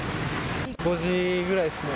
５時ぐらいですね。